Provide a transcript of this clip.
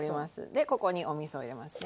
でここにおみそを入れますね。